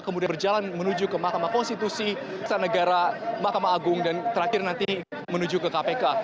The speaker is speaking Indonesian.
kemudian berjalan menuju ke mahkamah konstitusi kesan negara mahkamah agung dan terakhir nanti menuju ke kpk